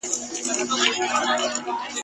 محکمه وه پاچهي د لوی قاضي وه !.